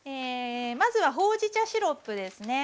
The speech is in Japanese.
まずはほうじ茶シロップですね。